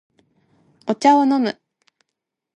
お茶を飲む